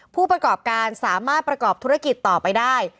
ผู้ประกอบการสามารถประกอบธุรกิจต่อไปได้